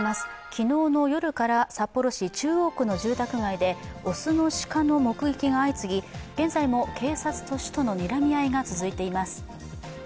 昨日の夜から札幌市中央区の住宅街で雄の鹿の目撃が相次ぎ現在も警察と市とのにらみ合いが続いています